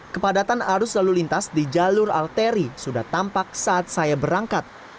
kepadatan arus lalu lintas di jalur arteri sudah tampak saat saya berangkat